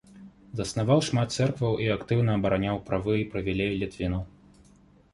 Заснаваў шмат цэркваў і актыўна абараняў правы і прывілеі літвінаў.